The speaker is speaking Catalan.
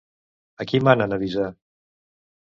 A qui manen avisar?